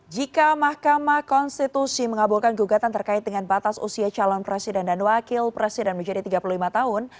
jika mahkamah konstitusi mengabulkan gugatan terkait dengan batas usia calon presiden dan wakil presiden menjadi tiga puluh lima tahun